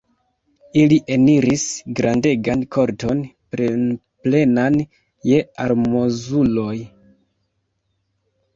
Ili eniris grandegan korton, plenplenan je almozuloj.